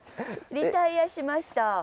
「リタイヤしました」。